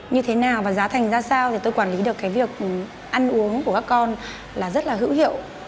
như thế nào và giá thành ra sao thì tôi quản lý được cái việc ăn uống của các con là rất là hữu hiệu